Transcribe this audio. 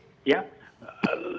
mereka bermain di media sosial